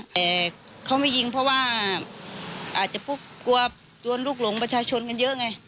แต่เขาไม่ยิงเพราะว่าอาจจะกลัวโดนลูกหลงประชาชนกันเยอะไง